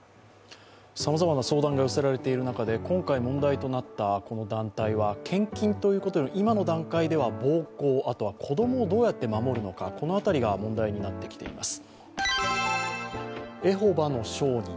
さまざまな相談が寄せられている中で、今回問題となったこの団体では献金ということより今の段階では暴行あとは子供をどうやって守るのかこの辺りが問題になってきています。